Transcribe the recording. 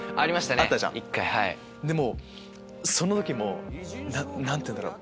その時も何て言うんだろう。